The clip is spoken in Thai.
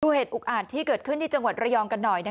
เหตุอุกอาจที่เกิดขึ้นที่จังหวัดระยองกันหน่อย